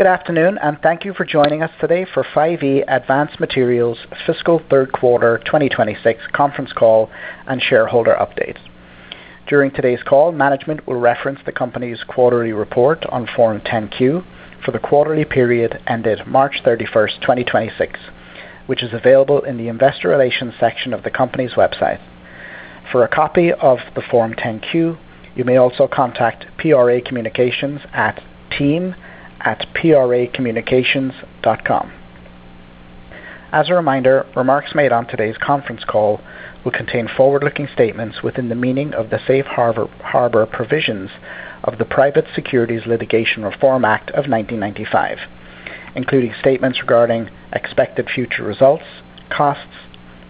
Good afternoon, and thank you for joining us today for 5E Advanced Materials Fiscal Third Quarter 2026 conference call and shareholder update. During today's call, management will reference the company's quarterly report on Form 10-Q for the quarterly period ended March 31st, 2026, which is available in the investor relations section of the company's website. For a copy of the Form 10-Q, you may also contact PRA Communications at team@pracommunications.com. As a reminder, remarks made on today's conference call will contain forward-looking statements within the meaning of the Safe Harbor provisions of the Private Securities Litigation Reform Act of 1995, including statements regarding expected future results, costs,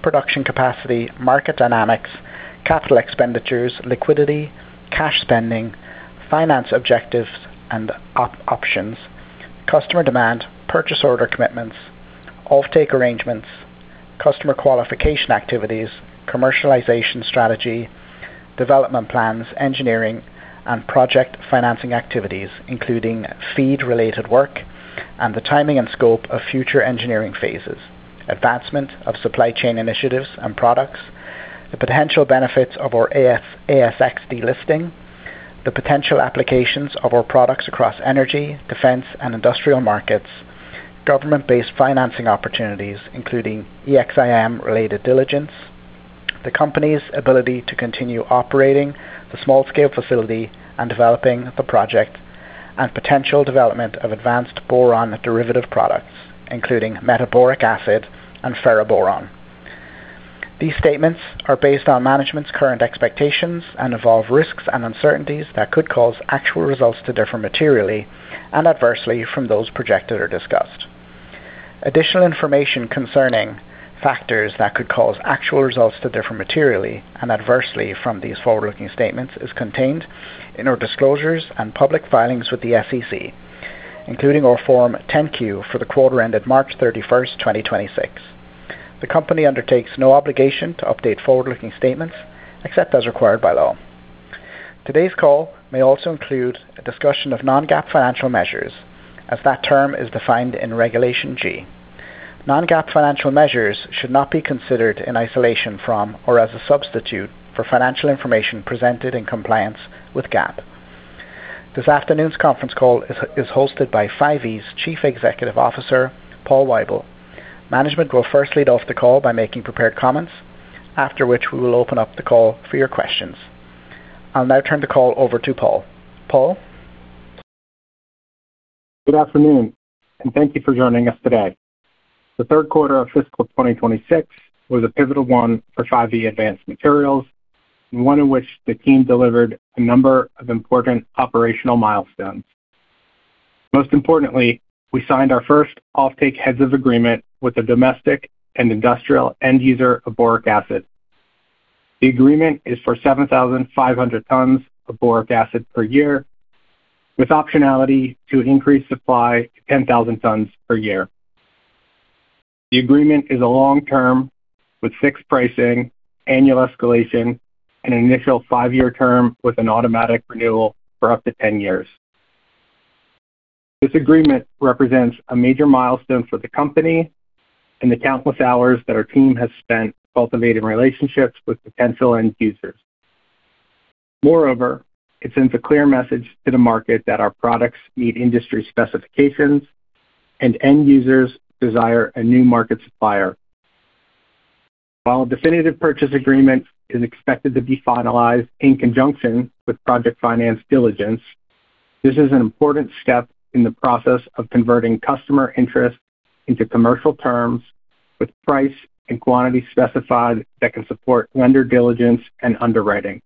production capacity, market dynamics, capital expenditures, liquidity, cash spending, finance objectives and options, customer demand, purchase order commitments, offtake arrangements, customer qualification activities, commercialization strategy, development plans, engineering and project financing activities, including FEED-related work and the timing and scope of future engineering phases, advancement of supply chain initiatives and products, the potential benefits of our 5EA ASX delisting, the potential applications of our products across energy, defense, and industrial markets, government-based financing opportunities, including EXIM-related diligence, the company's ability to continue operating the small scale facility and developing the project and potential development of advanced boron derivative products, including metaboric acid and ferroboron. These statements are based on management's current expectations and involve risks and uncertainties that could cause actual results to differ materially and adversely from those projected or discussed. Additional information concerning factors that could cause actual results to differ materially and adversely from these forward-looking statements is contained in our disclosures and public filings with the SEC, including our Form 10-Q for the quarter ended March 31st, 2026. The company undertakes no obligation to update forward-looking statements except as required by law. Today's call may also include a discussion of non-GAAP financial measures, as that term is defined in Regulation G. Non-GAAP financial measures should not be considered in isolation from or as a substitute for financial information presented in compliance with GAAP. This afternoon's conference call is hosted by 5E's Chief Executive Officer, Paul Weibel. Management will first lead off the call by making prepared comments, after which we will open up the call for your questions. I'll now turn the call over to Paul. Paul? Good afternoon, and thank you for joining us today. The third quarter of fiscal 2026 was a pivotal one for 5E Advanced Materials and one in which the team delivered a number of important operational milestones. Most importantly, we signed our first offtake heads of agreement with a domestic and industrial end user of boric acid. The agreement is for 7,500 tons of boric acid per year, with optionality to increase supply to 10,000 tons per year. The agreement is a long-term with fixed pricing, annual escalation, and an initial five-year term with an automatic renewal for up to 10 years. This agreement represents a major milestone for the company and the countless hours that our team has spent cultivating relationships with potential end users. It sends a clear message to the market that our products meet industry specifications and end users desire a new market supplier. While a definitive purchase agreement is expected to be finalized in conjunction with project finance diligence, this is an important step in the process of converting customer interest into commercial terms with price and quantity specified that can support lender diligence and underwriting.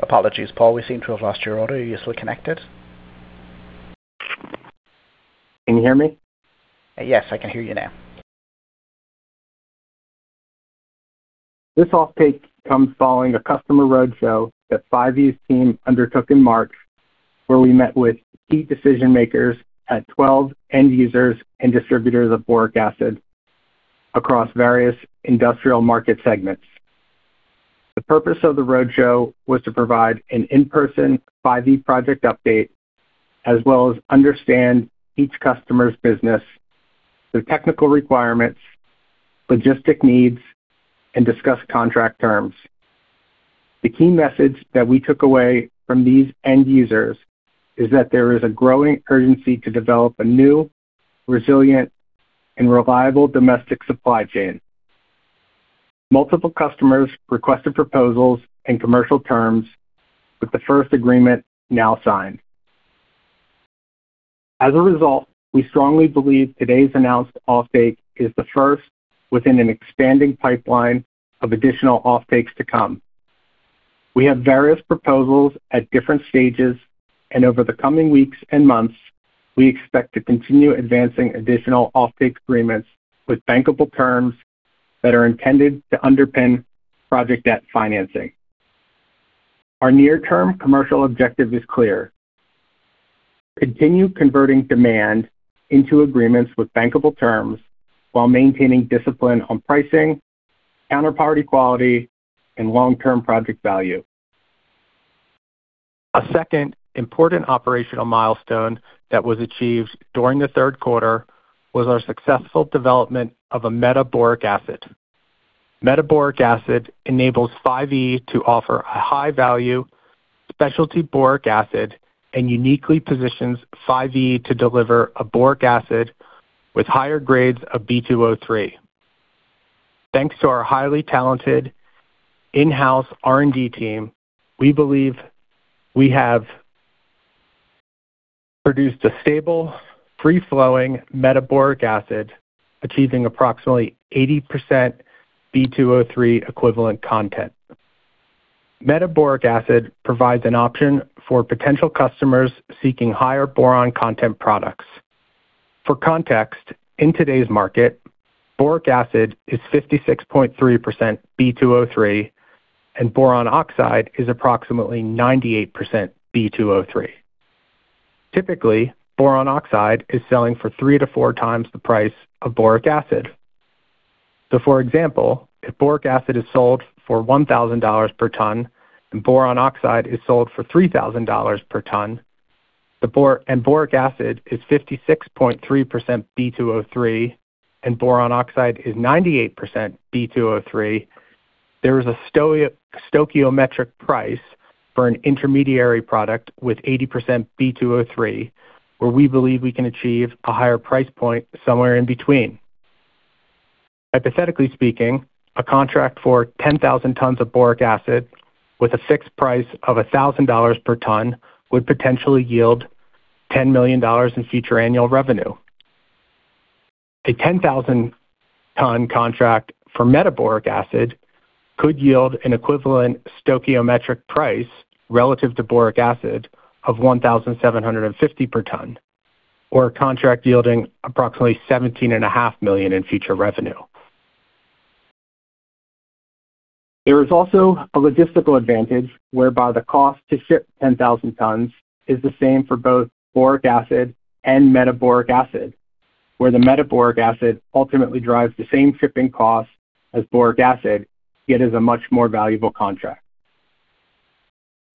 Apologies, Paul. We seem to have lost your audio. Are you still connected? Can you hear me? Yes, I can hear you now. This offtake comes following a customer roadshow that 5E's team undertook in March, where we met with key decision-makers at 12 end users and distributors of boric acid across various industrial market segments. The purpose of the roadshow was to provide an in-person 5E project update, as well as understand each customer's business, their technical requirements, logistic needs, and discuss contract terms. The key message that we took away from these end users is that there is a growing urgency to develop a new, resilient, and reliable domestic supply chain. Multiple customers requested proposals and commercial terms, with the first agreement now signed. As a result, we strongly believe today's announced offtake is the first within an expanding pipeline of additional offtakes to come. We have various proposals at different stages, and over the coming weeks and months, we expect to continue advancing additional offtake agreements with bankable terms that are intended to underpin project debt financing. Our near-term commercial objective is clear. Continue converting demand into agreements with bankable terms while maintaining discipline on pricing, counterparty quality and long-term project value. A second important operational milestone that was achieved during the third quarter was our successful development of a metaboric acid. Metaboric acid enables 5E to offer a high value specialty boric acid and uniquely positions 5E to deliver a boric acid with higher grades of B2O3. Thanks to our highly talented in-house R&D team, we believe we have produced a stable, free-flowing metaboric acid, achieving approximately 80% B2O3 equivalent content. Metaboric acid provides an option for potential customers seeking higher boron content products. For context, in today's market, boric acid is 56.3% B2O3 and boron oxide is approximately 98% B2O3. Typically, boron oxide is selling for three to four times the price of boric acid. For example, if boric acid is sold for $1,000 per ton and boron oxide is sold for $3,000 per ton, and boric acid is 56.3% B2O3 and boron oxide is 98% B2O3, there is a stoichiometric price for an intermediary product with 80% B2O3, where we believe we can achieve a higher price point somewhere in between. Hypothetically speaking, a contract for 10,000 tons of boric acid with a fixed price of $1,000 per ton would potentially yield $10 million in future annual revenue. A 10,000 ton contract for metaboric acid could yield an equivalent stoichiometric price relative to boric acid of $1,750 per ton, or a contract yielding approximately $17.5 million in future revenue. There is also a logistical advantage whereby the cost to ship 10,000 tons is the same for both boric acid and metaboric acid, where the metaboric acid ultimately drives the same shipping costs as boric acid, yet is a much more valuable contract.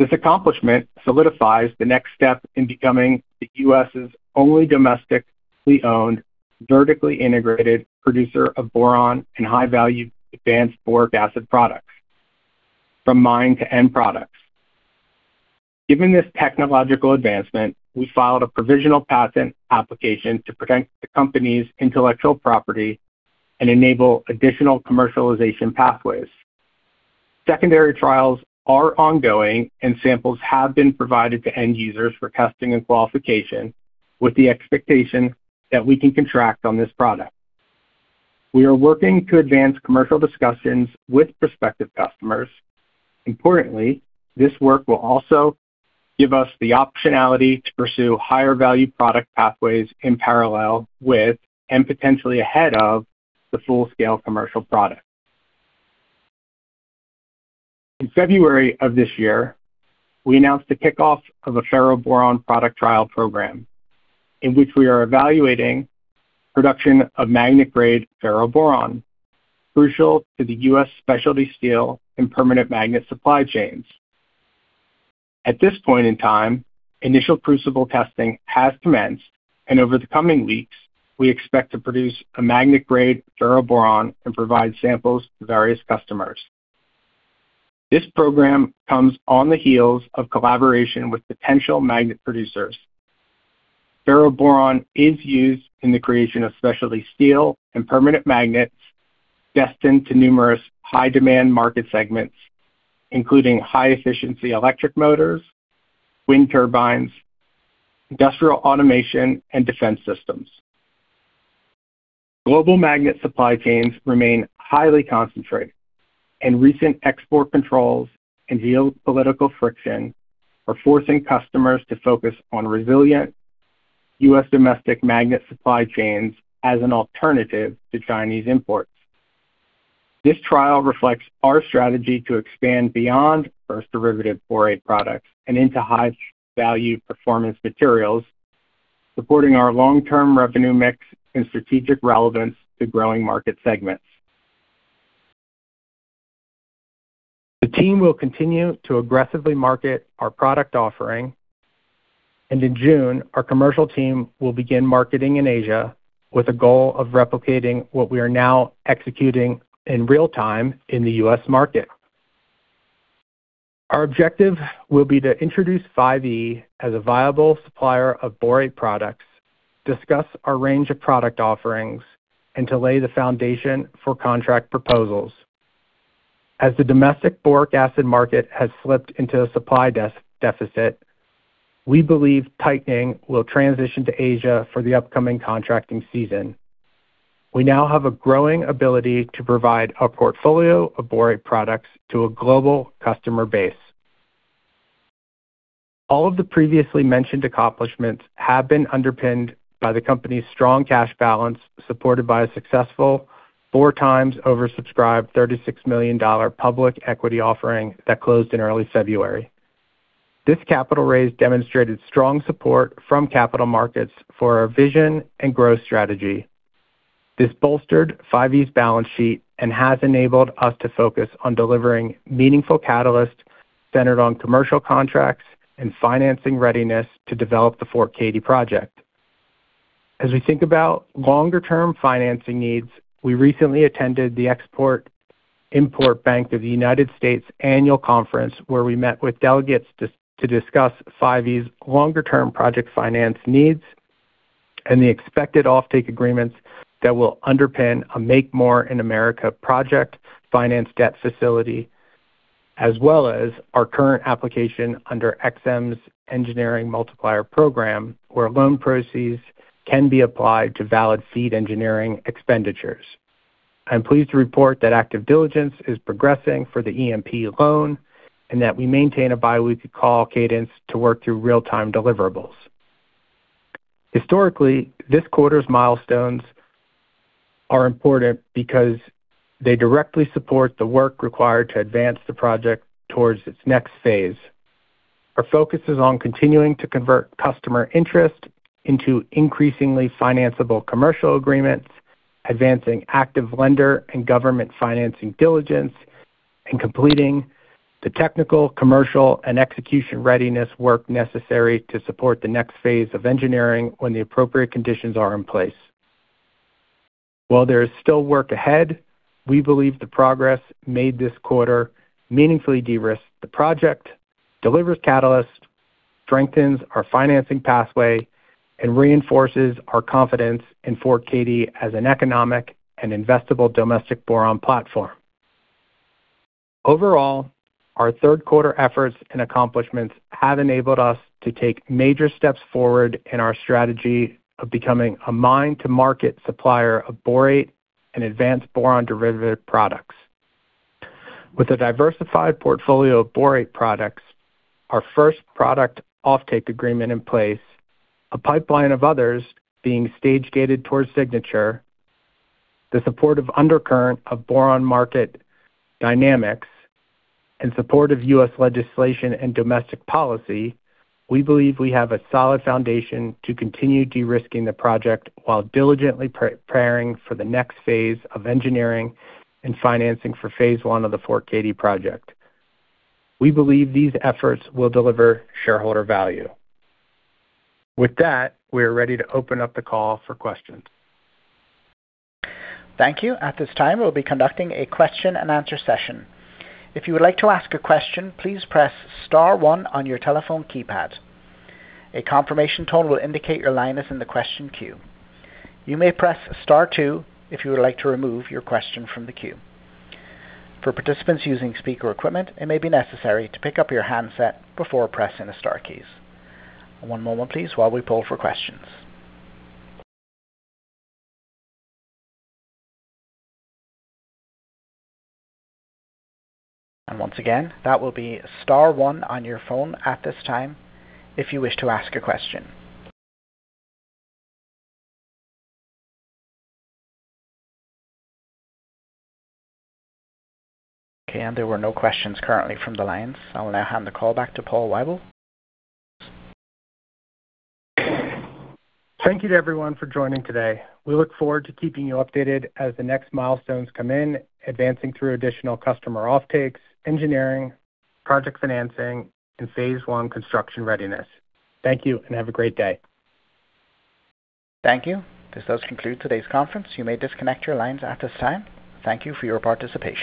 This accomplishment solidifies the next step in becoming the U.S.'s only domestically owned, vertically integrated producer of boron and high-value advanced boric acid products from mine to end products. Given this technological advancement, we filed a provisional patent application to protect the company's intellectual property and enable additional commercialization pathways. Secondary trials are ongoing and samples have been provided to end users for testing and qualification with the expectation that we can contract on this product. We are working to advance commercial discussions with prospective customers. Importantly, this work will also give us the optionality to pursue higher value product pathways in parallel with, and potentially ahead of, the full scale commercial product. In February of this year, we announced the kickoff of a ferroboron product trial program in which we are evaluating production of magnet grade ferroboron, crucial to the U.S. specialty steel and permanent magnet supply chains. At this point in time, initial crucible testing has commenced, and over the coming weeks, we expect to produce a magnet grade ferroboron and provide samples to various customers. This program comes on the heels of collaboration with potential magnet producers. Ferroboron is used in the creation of specialty steel and permanent magnets destined to numerous high-demand market segments, including high efficiency electric motors, wind turbines, industrial automation and defense systems. Global magnet supply chains remain highly concentrated. Recent export controls and geopolitical friction are forcing customers to focus on resilient U.S. domestic magnet supply chains as an alternative to Chinese imports. This trial reflects our strategy to expand beyond first derivative borate products and into high-value performance materials, supporting our long-term revenue mix and strategic relevance to growing market segments. The team will continue to aggressively market our product offering. In June, our commercial team will begin marketing in Asia with a goal of replicating what we are now executing in real time in the U.S. market. Our objective will be to introduce 5E as a viable supplier of borate products, discuss our range of product offerings, and to lay the foundation for contract proposals. As the domestic boric acid market has slipped into a supply deficit, we believe tightening will transition to Asia for the upcoming contracting season. We now have a growing ability to provide a portfolio of borate products to a global customer base. All of the previously mentioned accomplishments have been underpinned by the company's strong cash balance, supported by a successful four times oversubscribed $36 million public equity offering that closed in early February. This capital raise demonstrated strong support from capital markets for our vision and growth strategy. This bolstered 5E's balance sheet and has enabled us to focus on delivering meaningful catalysts centered on commercial contracts and financing readiness to develop the Fort Kady project. As we think about longer term financing needs, we recently attended the Export-Import Bank of the United States annual conference, where we met with delegates to discuss 5E's longer term project finance needs and the expected offtake agreements that will underpin a Make More in America project finance debt facility, as well as our current application under EXIM's Engineering Multiplier Program, where loan proceeds can be applied to valid FEED engineering expenditures. I'm pleased to report that active diligence is progressing for the EMP loan and that we maintain a bi-weekly call cadence to work through real-time deliverables. Historically, this quarter's milestones are important because they directly support the work required to advance the project towards its next phase. Our focus is on continuing to convert customer interest into increasingly financiable commercial agreements, advancing active lender and government financing diligence, and completing the technical, commercial, and execution readiness work necessary to support the next phase of engineering when the appropriate conditions are in place. While there is still work ahead, we believe the progress made this quarter meaningfully de-risks the project, delivers catalyst, strengthens our financing pathway, and reinforces our confidence in Fort Katy as an economic and investable domestic boron platform. Our third quarter efforts and accomplishments have enabled us to take major steps forward in our strategy of becoming a mine-to-market supplier of borate and advanced boron derivative products. With a diversified portfolio of borate products, our first product offtake agreement in place, a pipeline of others being stage-gated towards signature, the supportive undercurrent of boron market dynamics, and supportive U.S. legislation and domestic policy, we believe we have a solid foundation to continue de-risking the project while diligently pre-preparing for the next phase of engineering and financing for phase I. of the Fort Cady project. We believe these efforts will deliver shareholder value. With that, we are ready to open up the call for questions. Thank you. At this time, we'll be conducting a Q&A session. If you would like to ask a question, please press star one on your telephone keypad. A confirmation tone will indicate your line is in the question queue. You may press star two if you would like to remove your question from the queue. For participants using speaker equipment, it may be necessary to pick up your handset before pressing the star keys. One moment please while we poll for questions. Once again, that will be star one on your phone at this time if you wish to ask a question. There were no questions currently from the lines. I will now hand the call back to Paul Weibel. Thank you to everyone for joining today. We look forward to keeping you updated as the next milestones come in, advancing through additional customer offtakes, engineering, project financing, and phase one construction readiness. Thank you, and have a great day. Thank you. This does conclude today's conference. You may disconnect your lines at this time. Thank you for your participation.